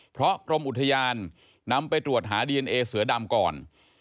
เพราะกรมอุทยานนำไปตรวจหาดีเอนเอเสือดำก่อน